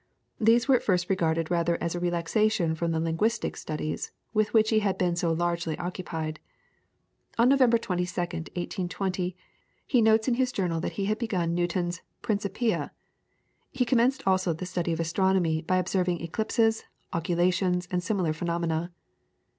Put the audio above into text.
These were at first regarded rather as a relaxation from the linguistic studies with which he had been so largely occupied. On November 22nd, 1820, he notes in his journal that he had begun Newton's "Principia": he commenced also the study of astronomy by observing eclipses, occultations, and similar phenomena.